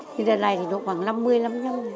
thì đợt này thì đổ khoảng năm mươi năm mươi năm đồng